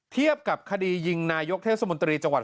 เทียบกับคดียิงนายกเทศมนตรีจังหวัด